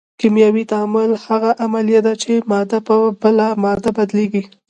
کیمیاوي تعامل هغه عملیه ده چې ماده په بله ماده بدلیږي.